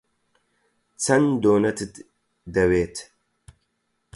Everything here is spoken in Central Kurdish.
چەند دۆنەتت دەوێت؟